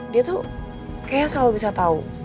dia tuh kayaknya selalu bisa tahu